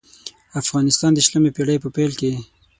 افغانستان د شلمې پېړۍ په پېل کې.